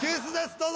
どうぞ。